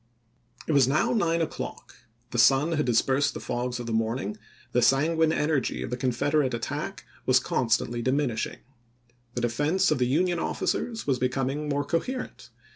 It was now nine o'clock; the sun had dis oct.i9,i864. persed the fogs of the morning; the sanguine energy of the Confederate attack was constantly diminishing. The defense of the Union officers was becoming more coherent.